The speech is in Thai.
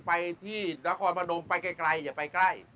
ไปที่นครพนมไปไกลอย่าไปใกล้